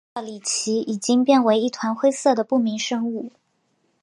结果见到李奇已经变为一团灰色的不明生物。